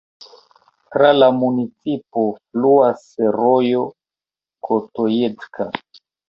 Tra la municipo fluas rojo Kotojedka.